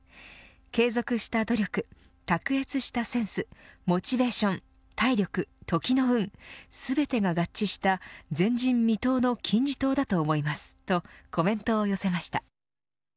継続した努力卓越したセンスモチベーション、体力、時の運全てが合致した前人未踏の金字塔だと思いますとコメントを寄せました。